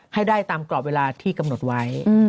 ให้ได้ตามกรอบเวลาที่กำหนดไว้